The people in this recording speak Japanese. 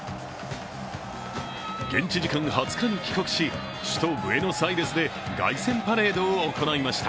現地時間２０日に帰国し首都ブエノスアイレスで凱旋パレードを行いました。